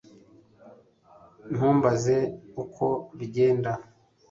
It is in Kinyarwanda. Ntumbaze uko bigenda